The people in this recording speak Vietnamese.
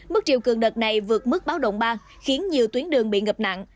mức chiều cường đợt này vượt mức báo động ba khiến nhiều tuyến đường bị ngập nặng